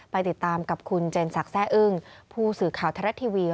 ไปติดตามกับคุณเจนสักแซ่อึ้งผู้สื่อข่าวทรัฐทีวี